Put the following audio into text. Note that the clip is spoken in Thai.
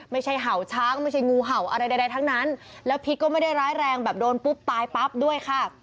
เห่าช้างไม่ใช่งูเห่าอะไรใดทั้งนั้นแล้วพิษก็ไม่ได้ร้ายแรงแบบโดนปุ๊บตายปั๊บด้วยค่ะ